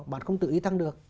bạn không tự ý tăng được